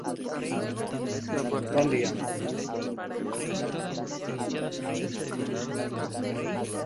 Estas víctimas cayeron junto con los rivales del culto y de las drogas.